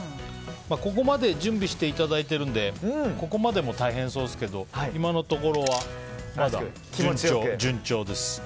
ここまで準備していただいているんでここまでも大変そうですが今のところはまだ順調です。